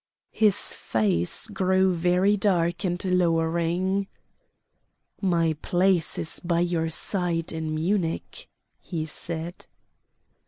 His face grew very dark and lowering. "My place is by your side in Munich," he said.